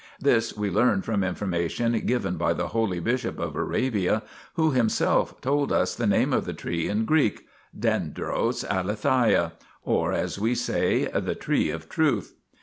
This we learned from information given by the holy bishop of Arabia, who himself told us the name of the tree in Greek dendros alethia, or as we say, the tree of truth.